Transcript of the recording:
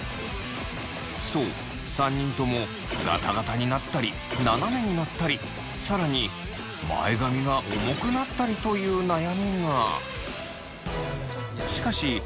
そう３人ともガタガタになったりななめになったり更に前髪が重くなったりという悩みが。